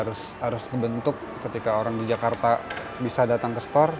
perkembangannya ya harus dibentuk ketika orang di jakarta bisa datang ke store